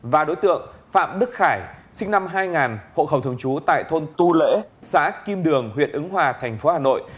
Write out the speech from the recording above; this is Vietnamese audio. và đối tượng phạm đức khải sinh năm hai nghìn hội khẩu thường trú tại thôn tu lễ xã kim đường huyện ứng hòa tp hcm